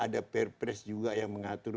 ada perpres juga yang mengatur